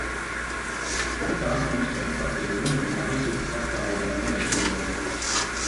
Tās mūs pēc bateriju numuriem aizveda pastāvīgā novietojumā.